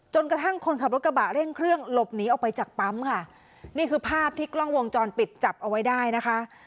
คนขับรถกระบะเร่งเครื่องหลบหนีออกไปจากปั๊มค่ะนี่คือภาพที่กล้องวงจรปิดจับเอาไว้ได้นะคะ